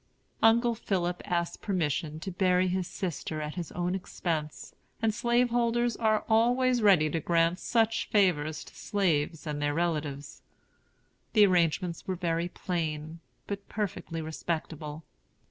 Uncle Philip asked permission to bury his sister at his own expense; and slaveholders are always ready to grant such favors to slaves and their relatives. The arrangements were very plain, but perfectly respectable.